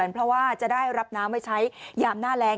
เพราะว่าจะได้รับน้ำไว้ใช้ยามหน้าแรง